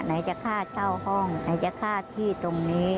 ไหนจะค่าเช่าห้องไหนจะค่าที่ตรงนี้